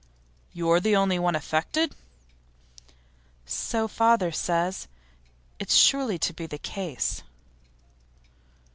'You are the only one affected?' 'So father says. It's sure to be the case.